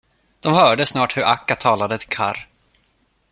De hörde snart hur Akka talade till Karr.